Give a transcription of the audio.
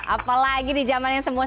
apalagi di zaman yang semuanya ya